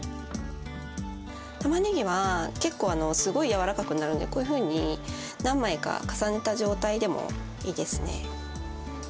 たまねぎは結構すごい柔らかくなるんでこういうふうに何枚か重ねた状態でもいいですね。